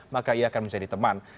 maka ia akan menjadi teman